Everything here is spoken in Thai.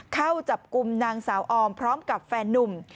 เข้าจับกลุ่มนางสาวออมพร้อมกับแฟนนุ่ม